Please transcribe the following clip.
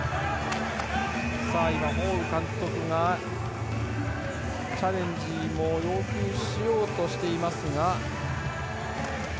ホーグ監督がチャレンジを要求しようとしていますが。